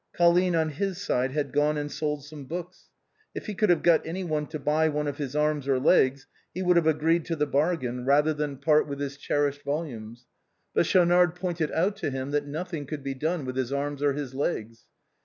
Colline on his side had gone and sold some books. If he could have got anyone to buy one of his arms or legs be would have agreed to the bargain rather than part with his EPILOGUE TO THE LOVES OF RODOLPHE AND MIMI, 331 cherishcfl volumes. But Schaunard pointed out to him that nothing could be done with his arms or his legs.